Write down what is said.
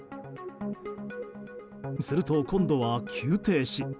すると、今度は急停止。